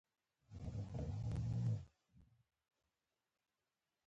ازادي راډیو د کډوال د راتلونکې په اړه وړاندوینې کړې.